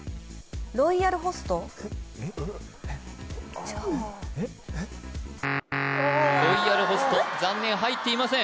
ロイヤルホスト残念入っていません